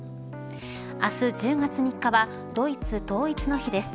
明日１０月３日はドイツ統一の日です。